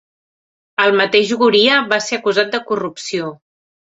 El mateix Goria va ser acusat de corrupció.